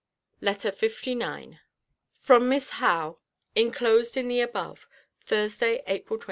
LETTER LIX FROM MISS HOWE [ENCLOSED IN THE ABOVE.] THURSDAY, APRIL 27.